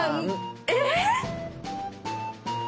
えっ⁉